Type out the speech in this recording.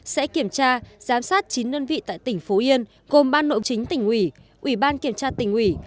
sẽ kiểm tra giám sát chín đơn vị tại tỉnh phú yên gồm ban nội chính tỉnh ủy ủy ban kiểm tra tỉnh ủy